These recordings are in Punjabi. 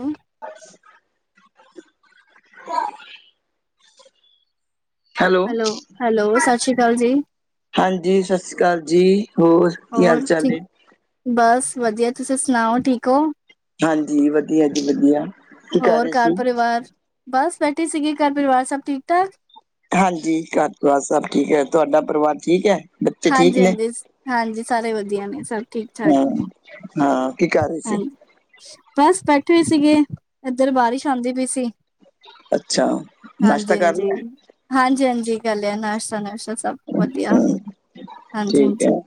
ਹੂੰ, [unintelligible] ਹੈਲੋ ਹੈਲੋ ਸਤਿ ਸ਼੍ਰੀ ਅਕਾਲ ਜੀ। ਹਾਂਜੀ ਸਤਿ ਸ਼੍ਰੀ ਅਕਾਲ ਜੀ, ਹੋਰ? ਕੀ ਹਾਲ ਹੋਰ ਚਾਲ ਠੀਕ ਹੈ ਬਸ ਵਧੀਆ, ਤੁਸੀਂ ਸੁਣਾਓ ਠੀਕ ਹੋ? ਹਾਂਜੀ ਵਧੀਆ ਜੀ ਵਧੀਆ, ਕੀ ਕਰ ਹੋਰ ਰਹੇ ਘਰ ਸੀ? ਪਰਿਵਾਰ ਬਸ ਬੈਠੇ ਸੀਗੀ, ਘਰ ਪਰਿਵਾਰ ਸਭ ਠੀਕ-ਠਾਕ? ਹਾਂਜੀ ਘਰ ਤੋਂ ਸਭ ਠੀਕ ਹੈ, ਤੁਹਾਡਾ ਪਰਿਵਾਰ ਠੀਕ ਹੈ? ਬੱਚੇ ਠੀਕ ਹਾਂਜੀ, ਨੇ ਹਾਂਜੀ, ਹਾਂਜੀ, ਸਾਰੇ ਵਧੀਆ ਨੇ ਸਬ ਹੂੰ, ਹਾਂ। ਕੀ ਕਰ ਰਹੇ ਸੀ ਬਸ ਬੈਠੇ ਹੋ ਸੀਗੇ, ਇੱਧਰ ਬਾਰਿਸ਼ ਆਦੀ ਪਈ ਸੀ। ਅੱਛਾ ਹਾਂਜੀ, ਨਾਸ਼ਤਾ ਕਰ ਹਾਂਜੀ, ਹਾਂਜੀ, ਹਾਂਜੀ ਕਰ ਲਿਆ, ਨਾਸ਼ਤਾ-ਨੁਸ਼ਤਾ ਸਭ‌। ਵਧੀਆ ਲਿਆ ਠੀਕ ਹਾਂਜੀ-ਹਾਂਜੀ ਹੈ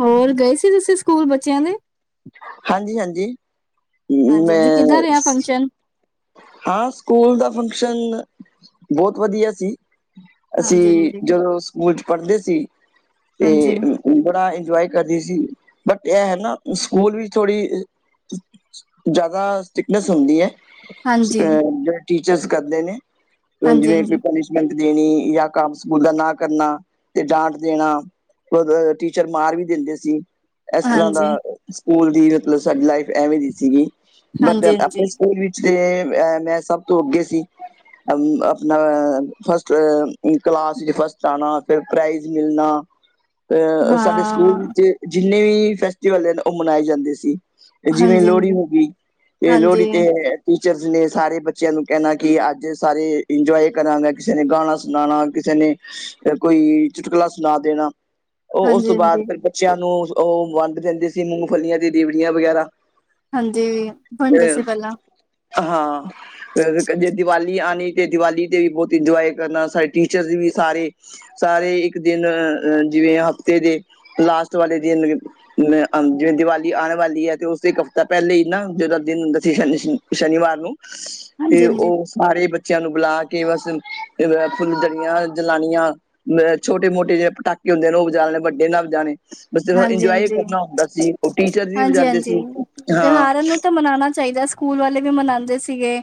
ਹੋਰ ਗਏ ਸੀ, ਤੁਸੀਂ ਸਕੂਲ ਬੱਚਿਆਂ ਦੇ? ਹਾਂਜੀ-ਹਾਂਜੀ ਹਾਂਜੀ ਹਾਂਜੀ ਮੈਂ ਕਿੱਦਾਂ ਰਿਹਾ ਫੰਕਸ਼ਨ ਹਾਂ ਸਕੂਲ ਦਾ ਫੰਕਸ਼ਨ ਬਹੁਤ ਵਧੀਆ ਸੀ। ਹਾਂਜੀ ਅਸੀਂ ਹਾਂਜੀ ਜਦੋਂ ਸਕੂਲ ਚ ਪੜ੍ਹਦੇ ਸੀ ਤੇ ਹਾਂਜੀ ਬੜਾ ਇੰਜੋਏ ਕਰਦੀ ਸੀ, ਬਟ ਇਹ ਨਾ ਸਕੂਲ ਵੀ ਥੋੜ੍ਹੀ ਜ਼ਿਆਦਾ ਸਟਿਕਨੈਸ ਹੁੰਦੀ ਹੈ। ਅ ਹਾਂਜੀ ਹਾਂਜੀ ਜਿਹੜੇ ਟੀਚਰ ਕਰਦੇ ਨੇ ਜਿਵੇਂ ਹਾਂਜੀ ਦੇਣੀ ਜਾਂ ਕੰਮ ਸਕੂਲ ਦਾ ਨਾ ਕਰਨਾ ਤੇ ਡਾਂਟ ਦੇਣਾ। ਓ ਟੀਚਰ ਮਾਰ ਵੀ ਦਿੰਦੇ ਸੀ। ਇਸ ਤਰ੍ਹਾਂ ਦਾ ਹਾਂਜੀ ਸਕੂਲ ਦੀ ਮਤਲਬ ਸਾਡੀ ਲਾਈਫ ਐਵੇਂ ਦੀ ਸੀਗੀ ਬਟ ਹਾਂਜੀ-ਹਾਂਜੀ, ਆਪਣੇ ਸਕੂਲ ਵੀ, ਤੇ ਅਹ ਮੈਂ ਸਭ ਤੋਂ ਅੱਗੇ ਸੀ। ਆਪਣਾ ਫਸਟ ਕਲਾਸ ਵਿੱਚ ਫਸਟ ਆਉਣਾ ਫਿਰ ਪ੍ਰਾਈਜ਼ ਮਿਲਣਾ। ਅਹ ਸਾਡੇ ਸਕੂਲ ਹਾਂ, ਵਿੱਚ ਜਿੰਨੇ ਵੀ ਫੈਸਟੀਵਲ ਨੇ ਉਹ ਮਨਾਏ ਜਾਂਦੇ ਸੀ। ਜਿਵੇਂ ਲੋਹੜੀ ਹਾਂਜੀ-ਹਾਂਜੀ, ਹੋ ਗਈ ਤੇ ਹਾਂਜੀ, ਲੋਹੜੀ ਤੇ ਟੀਚਰ ਨੇ ਸਾਰੇ ਬੱਚਿਆਂ ਨੂੰ ਕਹਿਣਾ ਕਿ ਅੱਜ ਸਾਰੇ ਇੰਜੋਏ ਕਰਾਂਗਾ, ਕਿਸੇ ਨੇ ਗਾਣਾ ਸੁਣਾਣਾ ਕਿਸੇ ਨੇ ਕੋਈ ਚੁਟਕਲਾ ਸੁਣਾ ਦੇਣਾ। ਉਹ ਉਸ ਤੋਂ ਹਾਂਜੀ-ਹਾਂਜੀ, ਬਾਅਦ ਹਾਂਜੀ ਫਿਰ ਬੱਚਿਆਂ ਨੂੰ ਉਹ ਵੰਡ ਦਿੰਦੇ ਸੀ, ਮੂੰਗਫਲੀਆਂ ਤੇ ਰੇਵੜੀਆਂ ਵਗੈਰਾ। ਹਾਂਜੀ ਬਣਦੇ ਅ ਸੀ ਪਹਿਲਾਂ। ਹਾਂ, ਅ ਜੇ ਦੀਵਾਲੀ ਆਣੀ ਤੇ ਦੀਵਾਲੀ ਤੇ ਵੀ ਬਹੁਤ ਇੰਜੋਏ ਕਰਨਾ, ਸਾਰੀ ਟੀਚਰਸ ਵੀ ਸਾਰੇ ਸਾਰੇ ਇੱਕ ਦਿਨ ਅ ਜਿਵੇਂ ਹਫ਼ਤੇ ਦੇ ਲਾਸਟ ਵਾਲੇ ਦਿਨ ਜਿਵੇਂ ਦੀਵਾਲੀ ਆਣ ਵਾਲੀ ਹੈ, ਤੇ ਉਸੇ ਇੱਕ ਹਫ਼ਤਾ ਪਹਿਲੇ ਹੀ ਨਾ ਜਿਹਦਾ ਦਿਨ ਹੁੰਦਾ ਸੀ। ਸ਼ਨੀਵਾਰ ਨੂੰ ਤੇ ਹਾਂਜੀ-ਹਾਂਜੀ, ਉਹ ਸਾਰੇ ਬੱਚਿਆਂ ਨੂੰ ਬੁਲਾ ਕੇ ਬਸ ਫੁੱਲ ਚੜੀਆ ਜਲਾਨੀਆਂ। ਛੋਟੇ ਮੋਟੇ ਜਿਹੜੇ ਪਟਾਕੇ ਹੁੰਦੇ ਨੇ ਉਹ ਉਜਾ ਲਣੇ ਵੱਡੇ ਨਾਲ ਉਜਾਣੇ ਬਸ ਇੰਜੋਏ ਹਾਂਜੀ-ਹਾਂਜੀ, ਕਰਨਾ ਹੁੰਦਾ ਸੀ। ਉਹ ਟੀਚਰ ਵੀ ਵਜਾਂਦੇ ਹਾਂਜੀ-ਹਾਂਜੀ, ਸੀ ਹਾਂ ਤਿਉਹਾਰਾਂ ਨੂੰ ਤਾਂ ਮਨਾਣਾ ਚਾਹੀਦਾ, ਸਕੂਲ ਵਾਲੇ ਵੀ ਮਨਾਂਦੇ ਸੀਗੇ।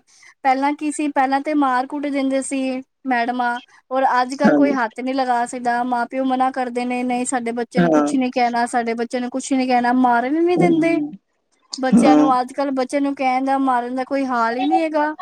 ਪਹਿਲਾਂ ਕੀ ਸੀ, ਪਹਿਲਾਂ ਤੇ ਮਾਰ ਕੁੱਟ ਦਿੰਦੇ ਸੀ ਮੈਡਮਾਂ। ਔਰ ਅੱਜ-ਕੱਲ ਕੋਈ ਹਾਂਜੀ ਹੱਥ ਨੀ ਲਗਾ ਸਕਦਾ, ਮਾਂ-ਪਿਓ ਮਨਾ ਕਰਦੇ ਨੇ ਨਹੀਂ ਸਾਡੇ ਬੱ ਬੱਚੇ ਨੂੰ ਹਾਂ ਕੁਛ ਨੀ ਕਹਿਣਾ, ਸਾਡੇ ਬੱਚੇ ਨੂੰ ਕੁਛ ਨੀ ਕਹਿਣਾ, ਮਾਰਨ ਵੀ ਨੀ ਦਿੰਦੇ, ਹੂੰ, ਬੱਚਿਆਂ ਹਾਂ, ਨੂੰ ਅੱਜ ਅੱਜ-ਕੱਲ ਬੱਚੇ ਨੂੰ ਕਹਿਣ ਦਾ ਮਾਰਨ ਦਾ ਕੋਈ ਹਾਲ ਹੀ ਨਹੀਂ ਹੈਗਾ,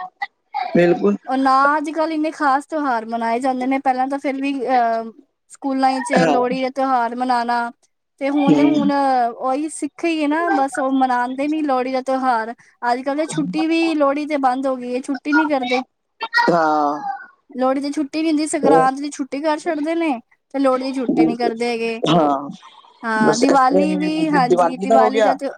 ਬਿਲਕੁਲ ਨਾ ਚੱਲ ਇੰਨੇ ਖਾਸ ਤਿਉਹਾਰ ਮਨਾਏ ਜਾਂਦੇ ਨੇ, ਪਹਿਲਾਂ ਤਾਂ ਫਿਰ ਵੀ ਅਹ ਸਕੂਲਾਂ ਚ ਹਾਂ, ਲੋਹੜੀ ਦਾ ਤਿਉਹਾਰ ਮਨਾਣਾ ਤੇ ਹੂੰ, ਹੁਣ-ਹੁਣ ਓਹੀ ਸਿੱਖ ਹੀ ਹੈ ਨਾ, ਬਸ ਉਹ ਮਨਾਂਦੇ ਨੀ ਲੋਹੜੀ ਦਾ ਤਿਉਹਾਰ। ਅੱਜ-ਕੱਲ ਤੇ ਛੁੱਟੀ ਵੀ ਲੋਹੜੀ ਤੇ ਬੰਦ ਹੋ ਗਈ ਏ, ਛੁੱਟੀ ਨੀ ਕਰਦੇ। ਹਾਂ। ਲੋਹੜੀ ਦੀ ਛੁੱਟੀ ਨਹੀਂ ਹੁੰਦੀ, ਸੰਗਰਾਂਤ ਦੀ ਛੁੱਟੀ ਕਰ ਛੱਡਦੇ ਨੇ। ਤੇ ਲੋਹੜੀ ਦੀ ਛੁੱਟੀ ਨੀ ਕਰਦੇ ਹੈਗੇ, ਹਾਂ, ਹਾਂ ਬਸ ਇਸ ਤਰ੍ਹਾਂ ਦੀਵਾਲੀ ਹੀ ਵੀ ਦ- ਹਾਂਜੀ ਹੋ ਦੀਵਾਲੀ ਗਿਆ। ਦਾ ਤਿਉ,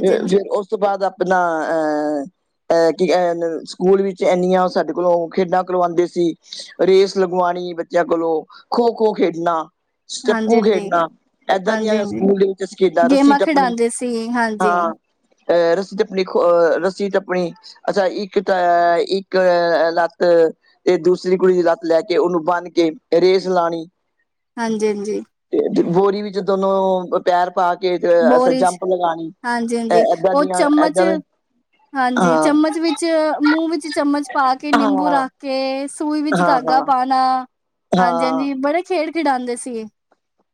ਫਿਰ ਫਿਰ ਉਸ ਤੋਂ ਬਾਅਦ ਆਪਣਾ ਅਹ ਅਹ ਕਿ ਐਹ ਸਕੂਲ ਵਿੱਚ ਇੰਨੀਆਂ ਸਾਡੇ ਕੋਲੋਂ ਖੇਡਾਂ ਕਰਵਾਂਦੇ ਸੀ। ਰੇਸ ਲਗਵਾਣੀ ਬੱਚਿਆਂ ਕੋਲੋਂ, ਖੋ-ਖੋ ਖੇਡਣਾ। ਹਾਂਜੀ ਸਟੈਪੂ ਹਾਂਜੀ ਖੇਡਣਾ, ਏਦਾਂ ਹਾਂਜੀ ਦੀਆਂ ਹਾਂਜੀ ਸਕੂਲ ਦੇ ਵਿੱਚ ਅਸੀਂ ਖੇਡਾਂ ਰੱਸੀ ਗੇਮਾਂ ਟੱਪਣੀ, ਖਿਡਾਉਂਦੇ ਸੀ ਹਾਂਜੀ ਹਾਂ। ਅਹ ਰੱਸੀ ਟੱਪਣੀ, ਅਹ ਰੱਸੀ ਟੱਪਣੀ ਅੱਛਾ, ਇੱਕ ਤਾਂ ਇੱਕ ਲੱਤ ਤੇ ਦੂਸਰੀ ਕੁੜੀ ਦੀ ਲੱਤ ਲੈ ਕੇ, ਉਹਨੂੰ ਬੰਨ ਕੇ ਰੇਸ ਲਾਣੀ। ਹਾਂਜੀ-ਹਾਂਜੀ। ਤੇ ਬੋਰੀ ਵਿੱਚ ਦੋਨੋ ਪੈਰ ਪਾ ਕੇ ਅਸੀ ਬੋਰੀ ਚ ਜੰਪ ਲਗਾਣੀ, ਹਾਂਜੀ-ਹਾਂਜੀ ਐਦਾਂ ਉਹ ਦੀਆਂ ਚਮਚ ਐਦਾਂ ਦੀ ਹਾਂਜੀ, ਚਮਚ ਵਿੱਚ ਮੂੰਹ ਵਿੱਚ ਚਮਚ ਪਾ ਕੇ ਨਿੰਬੂ ਹਾਂ ਰੱਖ ਕੇ ਸੂਈ ਵਿੱਚ ਹਾਂ ਹਾਂ ਧਾਗਾ ਪਾਣਾ, ਹਾਂ ਹਾਂਜੀ-ਹਾਂਜੀ ਬੜੇ ਖੇਡ ਖਿਡਾਂਉਦੇ ਸੀ ਗੇ।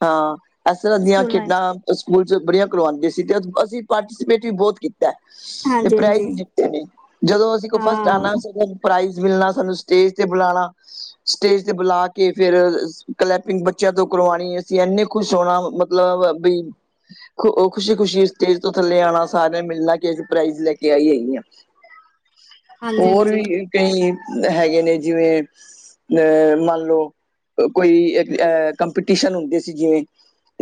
ਹਾਂ, ਐਸ ਤਰ੍ਹਾਂ ਦੀਆਂ ਚ ਖੇਡਾਂ ਸਕੂਲ ਚ ਬੜੀਆਂ ਕਰਵਾਂਦੇ ਸੀ, ਤੇ ਅਸੀਂ ਪਾਰਟੀਸਪੇਟ ਵੀ ਬਹੁਤ ਕੀ ਤੈ ਤੇ ਹਾਂਜੀ-ਹਾਂਜੀ ਪ੍ਰਾਈਜ਼ ਜਿੱਤੇ ਨੇ, ਜਦੋਂ ਅਸੀਂ ਕੋਈ ਫਸਟ ਆਣਾ ਹਾਂ। ਸੀ ਗਾ ਪ੍ਰਾਈਜ਼ ਮਿਲਣਾ, ਸਾਨੂੰ ਸਟੇਜ ਤੇ ਬੁਲਾਣਾ। ਸਟੇਜ ਤੇ ਬੁਲਾ ਕੇ, ਫੇਰ ਕਲੈਪਿੰਗ ਬੱਚਿਆਂ ਤੋਂ ਕਰਵਾਣੀ ਐ। ਬੱਚੇ ਐਨੇ ਖੁਸ਼ ਹੋਣਾ ਮਤਲਬ ਬਈ ਖ਼ੁਸ਼ੀ ਉਹ ਖੁਸ਼ੀ-ਖੁਸ਼ੀ ਸਟੇਜ ਤੋਂ ਥੱਲੇ ਆਣਾ, ਸਾਰਿਆਂ ਨੇ ਮਿਲਣਾ ਕਿ ਅਸੀਂ ਪ੍ਰਾਈਜ਼ ਲੈ ਕੇ ਆਈ-ਆਈ ਹਾਂ। ਹੋਰ ਹਾਂਜੀ-ਹਾਂਜੀ, ਵੀ ਕਈ ਹੈਗੇ ਨੇ, ਜਿਵੇਂ ਅ ਮੰਨ ਲੋ ਕੋਈ ਐਹ ਕੰਪੀਟੀਸ਼ਨ ਹੁੰਦੇ ਸੀ। ਸੀ ਜਿਵੇਂ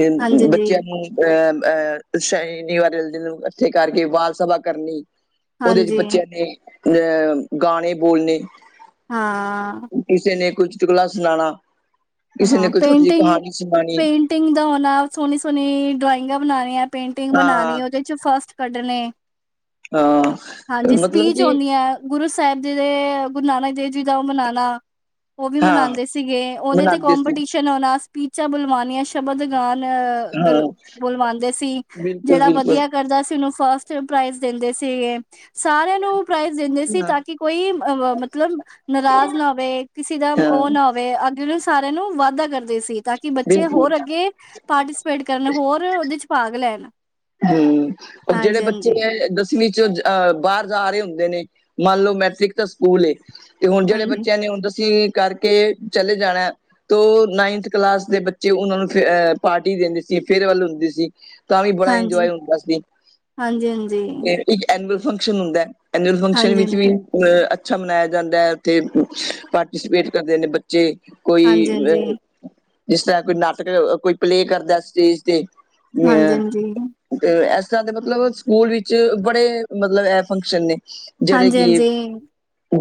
ਅ ਹਾਂਜੀ-ਹਾਂਜੀ, ਬੱਚਿਆਂ ਨੂੰ ਅਹ ਅਹ ਸ਼ਨੀਵਾਰ ਦਿਨ ਨੂੰ ਇਕੱਠੇ ਕਰਕੇ ਬਾਲ ਸਭਾ ਕਰਨੀ। ਉਹਦੇ ਚ ਹਾਂਜੀ ਬੱਚਿਆਂ ਨੇ ਅਹ ਗਾਣੇ ਬੋਲਣੇ। ਹਾਂ। ਕਿਸੇ ਨੇ ਕੋਈ ਚੁਟਕਲਾ ਸੁਣਾਣਾ। ਹਾਂ ਸੁਣਾਉਣੀ ਪੇਂਟਿੰਗ-ਪੇਂਟਿੰਗ ਦਾ ਹੋਣਾ, ਸੋਹਣੀ-ਸੋਹਣੀ ਡਰਾਇੰਗਾਂ ਬਣਾਣੀਆਂ। ਪੇਂਟਿੰਗ ਹਾਂ ਬਣਾਣੀ, ਉਹਦੇ ਚ ਫਸਟ ਕੱਢਣੇ। ਹਾਂ। ਹਾਂਜੀ ਮਤਲਬ ਸਪੀਚ ਕਿ ਹੁੰਦੀਆਂ, ਗੁਰੂ ਸਾਹਿਬ ਜੀ ਦੇ ਗੁਰੂ ਨਾਨਕ ਦੇਵ ਜੀ ਦਾ ਉਹ ਮਨਾਣਾ ਉਹ ਵੀ ਹਾਂ ਮਨਾਂਦੇ ਸੀਗੇ, ਉਹਨੇ ਤੇ ਬਣਾਉਂਦੇ ਸੀ ਕੋਂਪੀਟੀਸ਼ਨ ਹੋਣਾ, ਸਪੀਚਾਂ ਬੁਲਵਾਣੀਆਂ। ਸ਼ਬਦ ਗਾਣ ਹਾਂ ਗਲ ਬੁਲਵਾਂਦੇ ਸੀ, ਬਿਲਕੁਲ ਜਿਹੜਾ ਬਿਲਕੁਲ ਵਧੀਆ ਕਰਦਾ ਸੀ ਉਹਨੂੰ ਫਸਟ ਫੇਰ ਪ੍ਰਾਈਜ਼ ਦਿੰਦੇ ਸੀਗੇ, ਸਾਰਿਆਂ ਨੂੰ ਪ੍ਰਾਈਜ਼ ਦਿੰਦੇ ਸੀ ਹਾਂ ਤਾਂ ਕਿ ਕੋਈ ਅ ਮਤਲਬ ਨਾਰਾਜ਼ ਨਾ ਹੋਵੇ, ਕਿਸੇ ਦਾ ਹਾਂ ਉਹ ਨਾ ਹੋ ਅੱਗੇ ਸਾਰਿਆਂ ਨੂੰ ਵਾਧਾ ਕਰਦੇ ਸੀ, ਤਾਂ ਕਿ ਬੱਚੇ ਬਿਲਕੁਲ ਹੋਰ ਅੱਗੇ ਪਾਰਟੀਸ ਸਪੇਟ ਕਰਨ, ਹੋਰ ਉਹਦੇ ਚ ਭਾਗ ਲੈਣ। ਹੂੰ, ਉਹ ਜਿਹੜੇ ਹਾਂਜੀ ਬੱਚੇ ਦਸ ਦਸਵੀਂ ਚ, ਅਹ ਬਾਹਰ ਜਾ ਰਹੇ ਹੁੰਦੇ ਨੇ, ਮੰਨ ਲਓ ਮੈਟ੍ਰਿਕ ਤੱਕ ਸਕੂਲ ਏ। ਤੇ, ਹੁਣ ਜਿਹੜੇ ਹਾਂਜੀ ਬੱਚਿਆਂ ਨੇ, ਹੁਣ ਦਸਵੀਂ ਕਰਕੇ ਚਲੇ ਜਾਣਾ। ਤੋ ਨਾਈਨਥ ਕਲਾਸ ਦੇ ਬੱਚੇ, ਉਹਨਾਂ ਨੂੰ ਫਿਰ ਅਹ ਪਾਰਟੀ ਦਿੰਦੇ ਸੀ, ਫੇਅਰਵੈਲ ਹੁੰਦੀ ਸੀ। ਤਾਂ, ਵੀ ਬੜਾ ਇੰਜੋਏ, ਹਾਂਜੀ ਹੁੰਦਾ ਸੀ ਹਾਂਜੀ ਹਾਂਜੀ ਤੇ ਇੱਕ ਐਨੂਅਲ ਫੰਕਸ਼ਨ ਹੁੰਦਾ ਹੈ। ਐਨੂਅਲ ਫੰਕਸ਼ਨ ਹਾਂਜੀ ਹਾਂਜੀ ਵਿੱਚ ਵੀ ਅ ਅੱਛਾ, ਮਨਾਇਆ ਜਾਂਦਾ ਹੈ। ਉੱਥੇ ਪਾਰਟੀਸਪੇਟ ਕਰਦੇ ਨੇ ਬੱ ਜੇ, ਕੋਈ ਹਾਂਜੀ ਹਾਂਜੀ ਅ ਹਾਂਜੀ ਜਿਸ ਤਰ੍ਹਾਂ, ਕੋਈ ਨਾਟਕ ਕੋਈ ਪਲੇਅ, ਕਰਦਾ ਸਟੇਜ ਤੇ, ਅ ਹਾਂਜੀ ਤੇ, ਇਸ ਤਰ੍ਹਾਂ ਦੇ, ਮਤਲਬ ਸਕੂਲ ਵਿੱਚ, ਬੜੇ ਮਤਲਬ ਐ ਫੰਕਸ਼ਨ ਨੇ। ਜਿਹੜੇ ਹਾਂਜੀ ਕਿ -ਹਾਂਜੀ,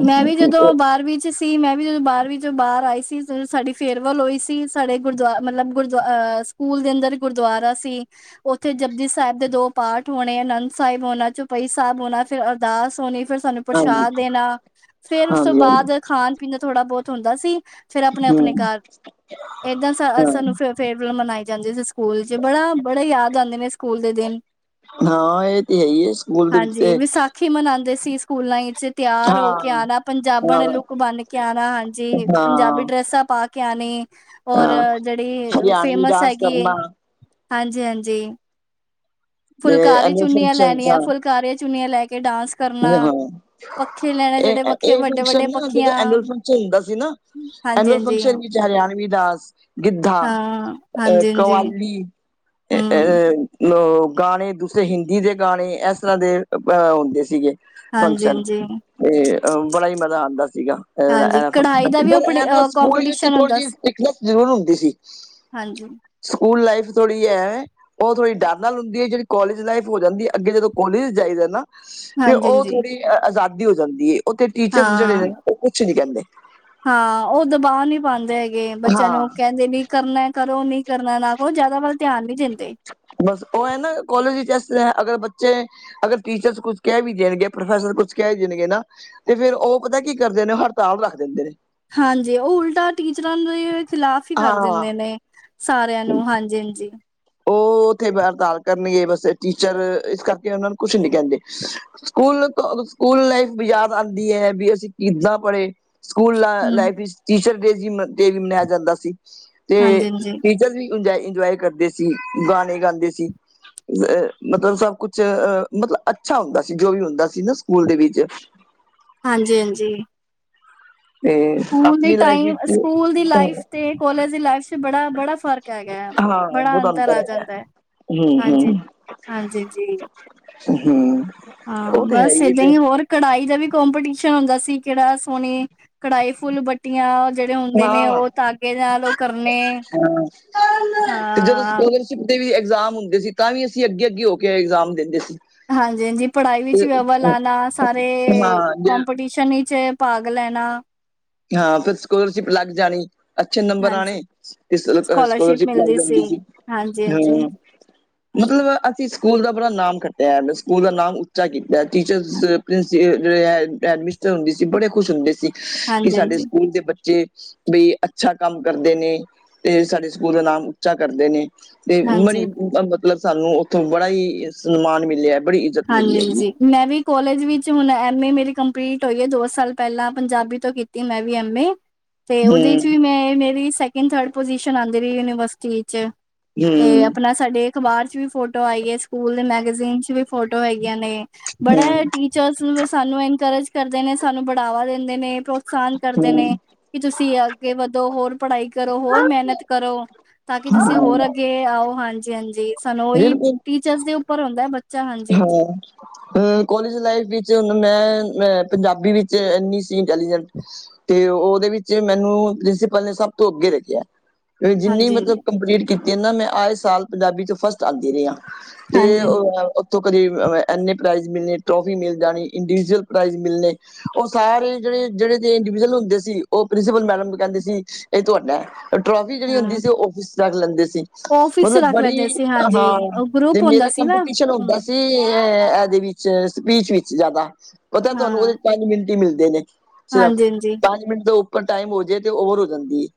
ਮੈਂ ਵੀ ਜਦੋਂ ਬਾਹਰਵੀਂ ਚ ਸੀ, ਮੈਂ ਵੀ ਜਦੋਂ ਬਾਹਰਵੀਂ ਚ ਬਾਹਰ ਆਈ ਸੀ ਜਦੋਂ ਸਾਡੀ ਫੇਅਰਵੈੱਲ ਹੋਈ ਸੀ। ਸਾਡੇ ਗੁਰਦੁਆ ਮਤਲਬ ਗੁਰਦੁਆ ਸਕੂਲ ਦੇ, ਅੰਦਰ ਗੁਰਦੁਆਰਾ ਸੀ। ਉੱਥੇ, ਜਪਦੀ ਸਾਹਿਬ ਦੇ ਦੋ ਪਾਠ ਹੋਣੇ, ਆਨੰਦ ਸਾਹਿਬ ਹੋਣਾ, ਚੌਪਈ ਸਾਹਿਬ ਹੋਣਾ, ਫਿਰ ਅਰਦਾਸ ਹੋਣੇ, ਫਿਰ ਸਾਨੂੰ ਹਾਂਜੀ ਪ੍ਰਸ਼ਾਦ ਦੇਣਾ, ਫੇਰ ਉਸ ਤੋਂ, ਹਾਂਜੀ ਹਾਂਜੀ ਬਾਅਦ ਖਾਣ ਪੀਣ ਦਾ, ਥੋੜਾ ਬਹੁਤ ਹੁੰਦਾ ਸੀ ਫੇਰ ਆਪਣੇ -ਆਪਣੇ ਹਮ ਘਰ, ਏਦਾਂ ਸਾਨੂੰ ਹਾਂ ਫ, ਫੇਅਰਵਲ ਮਨਾਈ ਜਾਂਦੀ ਸੀ। ਸਕੂਲ ਚ, ਬੜਾ, ਬੜੇ ਯਾਦ ਆਉਂਦੇ ਨੇ, ਸਕੂਲ ਦੇ ਦਿਨ। ਹਾਂ, ਇਹ ਤੇ ਹੈ ਹੀ ਹੈ, ਸਕੂਲ ਦੇ ਵਿੱਚ ਤੇ ਹੀ, ਮਨਾਉਂਦੇ ਸੀ, ਸਕੂਲਾਂ ਵਿੱਚ। ਤਿਆਰ ਹੋ ਹਾਂ ਕੇ ਆਉਣਾ, ਹਾਂ ਪੰਜਾਬਣ ਲੁੱਕ ਬਣ ਕੇ ਆਉਣਾ। ਹਾਂਜੀ, ਪੰਜਾਬੀ ਹਾਂ ਡਰੈਸਾਂ ਪਾ ਆਣੇ, ਔਰ ਹਾਂ ਜਿਹੜੀ ਹਰਿਆਣਵੀ ਫੇਮਸ ਡਾਂਸ ਹੈਗੀ ਆ, ਕਰਨਾ ਹਾਂਜੀ -ਹਾਂਜੀ। ਤੇ ਫੁਲਕਾਰੀ ਐਨੂਅਲ ਚੁੰਨੀਆਂ ਫੰਕਸ਼ਨ ਲੈਣੀਆਂ, ਹਾਂ ਫੁਲਕਾਰੀਆਂ ਚੁੰਨੀਆਂ ਲੈ ਕੇ ਡਾਂਸ ਕਰਨਾ ਹਾਂ, ਪੱਖੇ ਲੈਣੇ ਇਹ ਜਿਹੜੇ ਵੱਖੇ ਇਹ ਵੱਡੇ ਫੰਕਸ਼ਨ ਵੱਡੇ ਨਾ, ਜਦੋਂ ਪੱਖੀਆਂ ਐਨੂਅਲ ਫੰਕਸ਼ਨ ਹੁੰਦਾ ਸੀ ਨਾ। ਹਾਂਜੀ ਐਨੂਅਲ ਹਾਂਜੀ ਫੰਕਸ਼ਨ ਵਿੱਚ, ਹਰਿਆਣਵੀ ਡਾਂਸ, ਗਿੱਧਾ ਹਾਂ ਅ ਹਾਂਜੀ ਹਾਂਜੀ ਕਵਾਲੀ। ਹਮ ਅ, ਗਾਣੇ ਦੂਸਰੇ ਹਿੰਦੀ ਦੇ ਗਾਣੇ, ਇਸ ਤਰ੍ਹਾਂ ਦੇ ਅਹ ਹੁੰਦੇ ਸੀ। ਸੀਗੇ। ਹਾਂਜੀ- ਹਾਂਜੀ। ਤੇ, ਬੜਾ ਹੀ ਮਜ਼ਾ ਆਉਂਦਾ ਸੀਗਾ, ਹਾਂਜੀ ਕਢਾਈ ਦਾ ਵੀ ਉਹ ਇਹਨਾਂ ਸਕੂਲ ਵਿੱਚ ਕੰਪੀਟੀਸ਼ਨ ਥੋੜੀ ਹੁੰਦਾ ਜੀ ਸੀ ਸਟਿੱਕਨੈਸ, ਜ਼ਰੂਰ ਹੁੰਦੀ ਸੀ। ਹਾਂਜੀ। ਸਕੂਲ, ਲਾਈਫ ਥੋੜੀ ਹੈ ਉਹ, ਥੋੜ੍ਹੀ ਡਰ ਨਾਲ ਹੁੰਦੀ ਹੈ। ਜਿਹੜੀ ਕੋਲੇਜ ਲਾਈਫ ਹੋ ਜਾਂਦੀ ਹੈ। ਅੱਗੇ, ਜਦੋਂ ਕੋਲੇਜ ਜਾਈਦਾ ਨਾ ਤੇ, ਹਾਂਜੀ ਉਹ ਹਾਂਜੀ ਥੋੜੀ ਆਜ਼ਾਦੀ ਹੋ ਜਾਂਦੀ ਹੈ। ਉਥੇ ਟੀਚਰ ਜਿਹੜੇ ਹਾਂ ਨੇ, ਉਹ ਕੁਛ ਨੀ ਕਹਿੰਦੇ। ਹਾਂ, ਉਹ ਦਬਾਅ ਨਹੀਂ ਪਾਉਂਦੇ ਹੈਗੇ, ਬੱਚਿਆਂ ਹਾਂ ਨੂੰ ਕਹਿੰਦੇ, ਨੀ ਕਰਨਾ ਕਰੋ, ਨਹੀ ਕਰਨਾ ਨਾ ਕਰੋ। ਜਿਆਦਾ ਵੱਲ ਧਿਆਨ ਨਹੀਂ ਦਿੰਦੇ। ਬਸ, ਉਹ ਹੈ ਨਾ, ਕਾਲਜ ਵਿੱਚ ਇਸ ਤਰ੍ਹਾਂ ਐ, ਅਗਰ ਬੱਚੇ ਅਗਰ, ਟੀਚਰਸ ਕੁਛ ਕਹਿ ਵੀ ਦੇਣਗੇ, ਪ੍ਰੋਫੈਸਰ ਕੁਛ ਕਹਿ ਦੇਣਗੇ ਨਾ ਤੇ, ਫੇਰ ਉਹ ਪਤਾ ਕੀ ਕਰਦੇ ਨੇ? ਹੜਤਾਲ ਰੱਖ ਦਿੰਦੇ ਨੇ। ਹਾਂਜੀ, ਉਹ ਉਲਟਾ ਟੀਚਰਾਂ, ਦੇ ਖਿਲਾਫ਼ ਹੀ ਕਰ ਹਾਂ ਦਿੰਦੇ ਨੇ। ਸਾਰਿਆਂ ਨੂੰ, ਹਾਂਜੀ ਹਾਂਜੀ। ਉਹ, ਉੱਥੇ ਹੜਤਾਲ ਕਰਨਗੇ, ਬਸ ਟੀਚਰ ਇਸ ਕਰਕੇ ਉਹਨਾਂ ਨੂੰ, ਕੁਛ ਨੀ ਕਹਿੰਦੇ। ਸਕੂਲ -ਸਕੂਲ, ਲਾਈਫ ਵੀ ਯਾਦ ਆਉਂਦੀ ਹੈ। ਵੀ ਅਸੀਂ ਕਿੱਦਾਂ ਪੜ੍ਹੇ? ਸਕੂਲ ਹੂੰ ਲਾਈਫ ਵਿੱਚ, ਟੀਚਰ ਡੇ ਡੇ ਵੀ, ਮਨਾਇਆ ਜਾਂਦਾ ਸੀ ਤੇ, ਹਾਂਜੀ ਹਾਂਜੀ ਟੀਚਰ ਵੀ ਇੰਜੋਏ ਕਰਦੇ ਸੀ। ਗਾਣੇ ਗਾਉਂਦੇ ਸੀ। ਅ, ਮਤਲਬ ਸਭ ਕੁਛ, ਅ ਮਤਲਬ ਅੱਛਾ ਹੁੰਦਾ ਸੀ, ਜੋ ਵੀ ਹੁੰਦਾ ਸੀ ਨਾ, ਸਕੂਲ ਦੇ ਵਿੱਚ ਹਾਂਜੀ- ਹਾਂਜੀ। ਤੇ ਸਕੂਲ ਦੀ ਆਪਣੀ ਲਾਈਫ ਟਾਈਮ, ਵਿੱਚ ਸਕੂਲ ਦੀ ਲਾਈਫ ਤੇ, ਕਾਲੇਜ ਦੀ ਲਾਈਫ ਚ, ਬੜਾ -ਬੜਾ ਫ਼ਰਕ। ਹੈਗਾ ਹੈ, ਹਾਂ, ਬੜਾ ਅੰਤਰ, ਆ ਹੈਗਾ ਜਾਂਦਾ ਹੈ ਹਮ ਹਾਂਜੀ -ਹਮ। ਹਾਂਜੀ ਜੀ ਹਮ। ਹਾਂ ਉਹ ਤੇ ਹੈ ਬਸ, ਹੈ ਏਦਾਂ ਫਿਰ ਹੀ ਹੋਰ। ਕਢਾਈ ਦਾ ਵੀ ਕਪੀਟੀਸ਼ਨ ਹੁੰਦਾ ਸੀ। ਕਿਹੜਾ ਸੋਹਣੀ ਕਢਾਈ, ਫੁੱਲ ਬ ਟੀਆਂ ਜਿਹੜੇ ਹੁੰਦੇ ਨੇਂ, ਹਾਂ ਉਹ ਤਾਗੇ ਨਾਲ ਉਹ ਕਰਨੇ। ਹਾਂ ਤੇ ਜਦੋਂ ਹਾਂ ਸਕੋਲਰਸ਼ਿਪ ਦੇ ਵੀ ਇਗਜ਼ਾਮ ਹੁੰਦੇ ਸੀ ਤਾਂਵੀ ਅਸੀਂ ਅੱਗੇ-ਅੱਗੇ ਹੋ ਕੇ ਐਗਜ਼ਾਮ ਦਿੰਦੇ ਸੀ। ਹਾਂਜੀ ਹਾਂਜੀ, ਪੜ੍ਹਾਈ ਵਿੱਚ ਵੀ ਅਵਲ ਆਣਾ, ਸਾਰੇ ਹਾਂ ਜ ਕੌੰਪੀਟਿਸ਼ਨ ਸ਼ਨੀ ਚ ਭਾਗ ਲੈਣਾ। ਹਾਂ ਫਿਰ ਸਕੋਲਰਸ਼ਿਪ ਲੱਗ ਜਾਣੀ। ਅੱਛੇ ਨੰਬਰ ਆਣੇ ਹਾਂਜੀ ਤੇ ਸ ਸਕੋਲਰਸ਼ਿਪ ਲੱਗ ਮਿਲਦੀ ਜਾਂਦੀ ਸੀ। ਹਾਂਜੀ ਹਂ ਹਾਂਜੀ [unintelligible] ਮਤਲਬ ਅਸੀਂ ਸਕੂਲ ਦਾ ਬਰਾ ਨਾਮ ਖੱਟਿਆ, ਸਕੂਲ ਦਾ ਨਾਮ ਉੱਚਾ ਕੀਤਾ। ਟੀਚਰਜ਼ ਪ੍ਰੀਸੀ ਜੇਡੇ ਆ ਮਿਸਟਰ ਹੁੰਦੇ ਸੀ, ਬੜੇ ਖੁਸ਼ ਹੁੰਦੇ ਸੀ ਕਿ ਹਾਂਜੀ ਸਾਡੇ ਹਾਂਜੀ ਸਕੂਲ ਦੇ ਬੱਚੇ। ਬੀ ਅੱਛਾ ਕੰਮ ਕਰਦੇ ਨੇਂ ਤੇ ਸਾਡੇ ਸਕੂਲ ਨਾਮ ਉੱਚਾ ਕਰਦੇ ਨੇਂ। ਤੇ ਬੜੀ ਹਾਂਜੀ ਮਤਲਬ ਸਾਨੂੰ ਉੱਥੋਂ ਬੜਾ ਈ ਸਨਮਾਨ ਮਿਲਿਆ। ਬੜੀ ਇ ਹਾਂਜੀ, ਹਾਂਜੀ। ਮੈਂ ਵੀ ਕੋਲਜ ਵਿੱਚ ਹੁਣ ਐਮ ਏ ਮੇਰੀ ਕੰਪਲੀਟ ਹੋਈ ਐ, ਦੋ ਸਾਲ ਪਹਿਲਾਂ ਪੰਜਾਬੀ ਤੋਂ ਕੀਤੀ ਮੈਂ ਵੀ ਐਮ ਏ। ਤੇ ਉਹਦੇ ਚ ਵੀ ਹੂੰ ਮੈਂ, ਮੇਰੀ ਸੈਕਿੰਡ ਥਰਡ ਪਜ਼ਿਸ਼ਨ ਆਂਦੀ ਰਹੀ ਏ ਯੂਨੀਵਰਸਿਟੀ ਇੱਚ ਤੇ ਹੂੰ ਆਪਣਾ ਸਾਡੇ ਅਖਬਾਰ ਚ ਵੀ ਫੋਟੋ ਆਈ ਐ, ਸਕੂਲ ਦੇ ਮੈਗਜ਼ੀਨ ਚ ਵੀ ਫੋਟੋ ਹੈਗੀਆਂ ਨੇਂ। ਬੜਾ ਟੀਚਰਸ ਸਾਨੂੰ ਇਨਕਰੇਜ ਕਰਦੇ ਨੇਂ। ਸਾਨੂੰ ਬੜਾਵਾ ਦਿੰਦੇ ਨੇਂ, ਪ੍ਰੋਤਸਾਹਨ ਕਰਦੇ ਹੂੰ ਨੇਂ। ਕਿ ਤੁਸੀਂ ਅੱਗੇ ਵਧੋ, ਹੋਰ ਪੜ੍ਹਾਈ ਕਰੋ, ਹੋਰ ਮਿਹਨਤ ਕਰੋ। ਤਾਂ ਕਿ ਤੁਸੀਂ ਹੂੰ ਹੋਰ ਅੱਗੇ ਆਓ, ਹਾਂਜੀ ਹਾਂਜੀ। ਸਾਨੂੰ ਉਹੀ ਬਿਲਕੁਲ ਟੀਚਰਸ ਦੇ ਉੱਪਰ ਹੁੰਦਾ ਬਚ ਹਾਂ। ਹਂ, ਕੋਲਜ ਲਾਈਫ ਵਿੱਚ ਹੁਣ ਮੈਂ ਅ ਪੰਜਾਬੀ ਵਿੱਚ ਇੰਨੀ ਸੀ ਇੰਟੈਲੀਜੈਂਟ। ਤੇ ਉਹਦੇ ਵਿੱਚ ਮੈਨੂੰ ਪ੍ਰਿੰਸੀਪਲ ਨੇਂ, ਸਭ ਤੋਂ ਅੱਗੇ ਲੱਖਿਆ। [unintelligible] ਜਿੰਨੀ ਹਾਂਜੀ ਮਤਲਬ ਹਾਂਜੀ ਕੰਪਲੀਟ ਕੀਤੀ ਐ ਨਾਂ ਮੈਂ ਆਏ ਸਾਲ ਪੰਜਾਬੀ ਚ ਫਸਟ ਆਂਦੀ ਰੀ ਆਂ। ਹਾਂਜੀ ਤੇ ਔ ਹਾਂਜੀ ਔ ਤੇ ਕਦੇ ਐਨੇ ਪ੍ਰਾਈਜ਼ ਮਿਲਣੇ, ਟ੍ਰੋਫੀ ਮਿਲ ਜਾਣੀ ਇੰਡੀਜਵਿਲ ਪ੍ਰਾਈਜ਼ ਮਿਲਣੇ। ਉਹ ਸਾਰੇ ਜਿਹੜੇ, ਜਿਹੜੇ ਇੰਡੀਵਿਅਲ ਹੁੰਦੇ ਸੀ ਉਹ ਪ੍ਰਿੰਸੀਪਲ ਮੈਡਮ ਕਹਿੰਦੇ ਸੀ ਇਹ ਤੁਹਾਡਾ ਟ੍ਰੋਫੀ ਜਿਹੜੀ ਹੁੰਦੀ ਹਾਂ ਸੀ ਉਹ ਫਿਸ ਰੱਖ ਲੈਂਦੇ ਸੀ ਆਫਿਸ ਚ ਮਤਲਬ ਰੱਖ ਲੈਂਦੇ ਬੜੀ ਸੀ ਹਾਂਜੀ ਹਾਂ। ਉਹ ਤੇ ਗਰੁੱਪ ਹੁੰਦਾ ਮੇਰਾ ਸੀ ਨਾ ਕੰਪੀਟੀਸ਼ਨ ਹਮ ਹੁੰਦਾ ਸੀ ਅ ਇਹਦੇ ਵਿੱਚ, ਸਪੀਚ ਵਿੱਚ ਜ਼ਿਆਦਾ। ਪਤਾ ਤੁਹਾਨੂੰ ਉਹਦੇ ਹਾਂ ਪੰਜ ਮਿੰਟ ਮਿਲਦੇ ਨੇਂ। ਸਿਰਫ ਹਾਂਜੀ ਹਾਂਜੀ ਪੰਜ ਮਿੰਟ ਤੋਂ ਉੱਪਰ ਟਾਈਮ ਹੋ ਜੇ ਤੇ ਓਵਰ ਹੋ ਜਾਂਦੀ ਐ।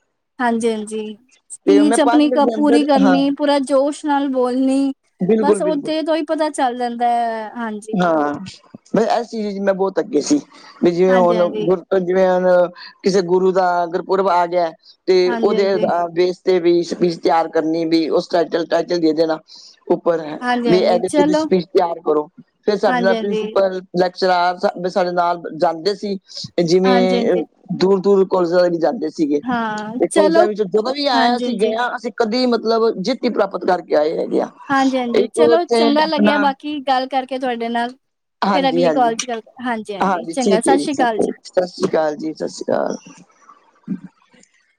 ਹਾਂਜੀ ਹਾਂਜੀ। ਸਪੀਚ ਆਪਣੀ ਮਿੰਟ ਕਪ ਦੇ ਪੂਰੀ ਅੰਦਰ ਹਾਂ ਕਰਨੀ, ਪੂਰਾ ਜੋਸ਼ ਨਾਲ ਬੋਲਣੀ। ਬਿਲਕੁਲ ਬਸ ਬਿਲਕੁਲ ਉੱਥੇ ਤੋਂ ਈ ਪਤਾ ਚੱਲ ਜਾਂਦਾ ਐ, ਹਾਂਜੀ। ਹਾਂ ਬਸ ਇਸ ਚੀਜ਼ ਚ ਮੈਂ ਬਹੁਤ ਅੱਗੇ ਸੀ ਵੀ ਜਿਵੇਂ ਹੁਣ ਹਾਂਜੀ-ਹਾਂਜੀ, ਗੁਰ ਜਿਵੇਂ ਹੁਣ ਕਿਸੇ ਗੁਰੂ ਦਾ ਅ ਗੁਰਪੁਰਬ ਆ ਗਿਆ ਤੇ ਉਹਦੇੇ ਹਾਂਜੀ-ਹਾਂਜੀ, ਵੇਸ ਤੇ ਵੀ ਸਪੀਚ ਤਿਆਰ ਕਰਨੀ ਵੀ ਉਸ ਟਟ ਟਾਈਟਲ ਦੇ ਦੇ ਨਾਂ ਉਪਰ ਹੈ ਬੀ ਏ ਹਾਂਜੀ-ਹਾਂਜੀ ਤੇ ਵੀ ਚਲੋ ਸਪੀਚ ਤਿਆਰ ਕਰੋ, ਫਿਰ ਸਾਡੇ ਨਾਲ ਹਾਂਜੀ-ਹਾਂਜੀ, ਪ੍ਰਿੰਸੀਪਲ ਲੈਕਚਰਾਰ ਸਾ ਬ ਸਾਡੇ ਨਾਲ ਜਾਂਦੇ ਸੀ ਜਿਵੇਂ ਅ ਹਾਂਜੀ-ਹਾਂਜੀ ਦੂਰ ਦੂਰ ਕੋਲਸਾ ਦੇ ਵੀ ਜਾਂਦੇ ਸੀਗੇ ਹਾਂ ਤੇ ਕੋਲਸਾ ਚਲੋ ਵਿੱਚੋਂ ਜਦੋਂ ਵੀ ਆਇਆ ਅਸੀਂ ਹਾਂਜੀ-ਹਾਂਜੀ। ਗਏ ਆਂ ਅਸੀਂ ਕਦੀ ਮਤਲਬ ਜਿੱਤ ਹੀ ਪ੍ਰਾਪਤ ਕਰਕੇ ਆਏ ਹੈਗੇ ਆ ਹਾਂਜੀ, ਹਾਂਜੀ, ਇੱਕ ਚਲੋ ਉੱਥੇ ਚੰਗਾ ਆਪਣਾ ਲੱਗਿਆ ਬਾਕੀ ਗੱਲ ਕਰਕੇ ਤੁਹਾਡੇ ਨਾਲ। ਫਿਰ ਅਗਲੀ ਹਾਂਜੀ-ਹਾਂਜੀ, ਕਾਲ ਚ ਗੱਲ ਕਰ ਹਾਂਜੀ ਹਾਂਜੀ। ਚੰਗਾ ਠੀਕ ਹੈ ਸਤਿ ਸ੍ਰੀ ਅਕਾਲ ਠੀਕ ਹੈ ਜੀ। ਸਤਿ ਸ਼੍ਰੀ ਅਕਾਲ ਜੀ, ਸਤਿ ਸ਼੍ਰੀ ਅਕਾਲ।